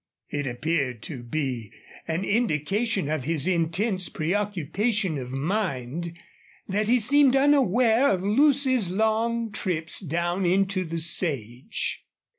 It appeared to be an indication of his intense preoccupation of mind that he seemed unaware of Lucy's long trips down into the sage.